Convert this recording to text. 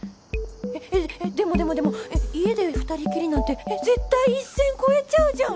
えっえっでもでもでもえっ家で２人きりなんてえっ絶対一線越えちゃうじゃん！